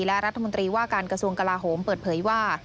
และรัฐมนตรีว่าการกระทรวงกลาโหมเปิดเผยว่า